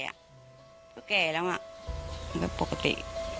ก็แก่แล้วมันเป็นปกติ